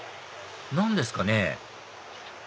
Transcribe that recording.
何ですかね？